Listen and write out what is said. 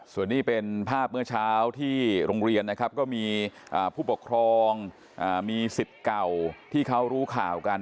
ส่วนนี้เป็นภาพเมื่อเช้าที่โรงเรียนนะครับก็มีผู้ปกครองมีสิทธิ์เก่าที่เขารู้ข่าวกัน